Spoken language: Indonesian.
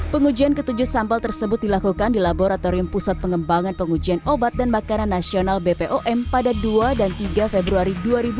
pengujian ketujuh sampel tersebut dilakukan di laboratorium pusat pengembangan pengujian obat dan makanan nasional bpom pada dua dan tiga februari dua ribu dua puluh